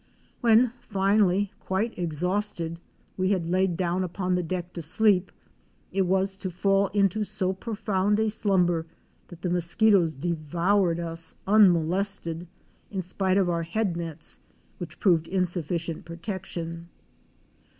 When finally quite exhausted we had laid down upon the deck to sleep, it was to fall into so profound a slumber that the mosquitoes devoured us unmolested, in spite of our head nets which proved insufficient protection.